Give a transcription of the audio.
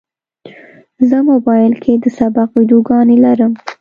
زه موبایل کې د سبق ویډیوګانې لرم.